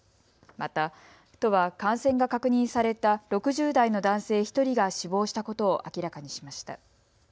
また、都は感染が確認された６０代の男性１人が死亡したことを明らかにしました。